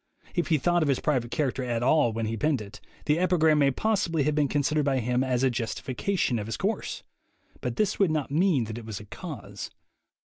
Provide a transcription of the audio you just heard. If he thought of his private character at all when he penned it, the epigram may possibly have been considered by him as a justification of his course; but this would not mean that it was a cause.